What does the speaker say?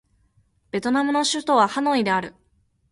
ベトナムの首都はハノイである